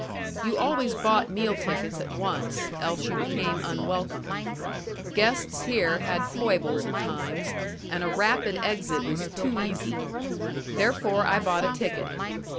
You always bought meal tickets at once, else you became unwelcome. Guests here had foibles at times, and a rapid exit was too easy. Therefore I bought a ticket.